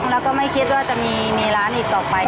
แล้วก็ไม่คิดว่าจะมีร้านอีกต่อไป